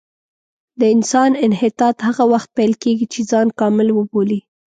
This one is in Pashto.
د انسان انحطاط هغه وخت پیل کېږي چې ځان کامل وبولي.